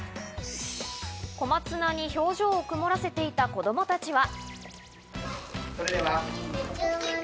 小松菜に表情を曇らせていた子供たちは。